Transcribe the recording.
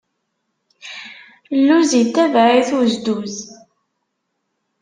Lluz itebaɛ-it uzduz.